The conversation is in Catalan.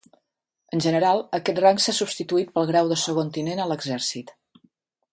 En general, aquest rang s'ha substituït pel grau de segon tinent a l'Exèrcit.